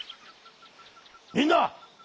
「みんな！